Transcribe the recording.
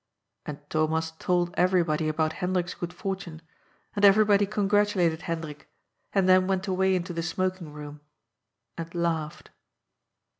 And Thomas told every body about Hendrik's good fortune, and everybody con gratulated Hendrik, and then went away into the smoking room, and laughed.